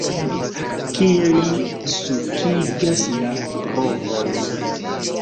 Kiel li sulkigas la brovojn!